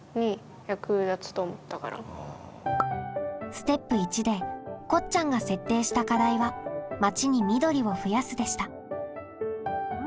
ステップ①でこっちゃんが設定した課題は「町に緑を増やす」でした。